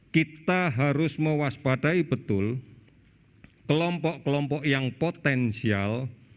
kita harus mewaspadai betul kelompok kelompok yang potensial